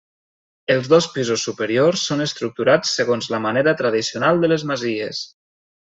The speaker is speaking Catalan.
Els dos pisos superiors són estructurats segons la manera tradicional de les masies.